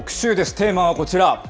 テーマはこちら。